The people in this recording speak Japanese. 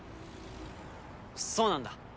そうなんだ。